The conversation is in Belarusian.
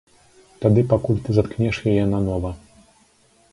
Тады пакуль ты заткнеш яе нанова!